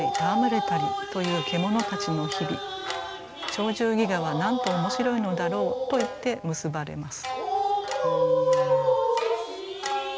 「『鳥獣戯画』はなんとおもしろいのだろう」と言って結ばれます。